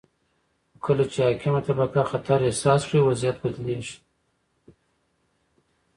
خو کله چې حاکمه طبقه خطر احساس کړي، وضعیت بدلیږي.